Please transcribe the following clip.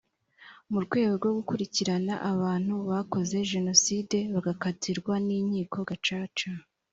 mu rwego rwo gukurikirana abantu bakoze jenoside bagakatirwa n inkiko gacaca